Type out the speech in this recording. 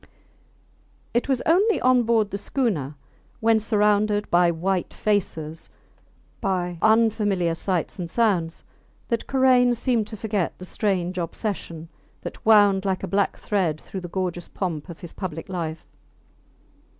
It was only on board the schooner, when surrounded by white faces, by unfamiliar sights and sounds, that Karain seemed to forget the strange obsession that wound like a black thread through the gorgeous pomp of his public life.